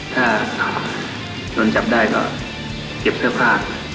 ถ้าโดนจับได้ก็เก็บเสื้อผ้า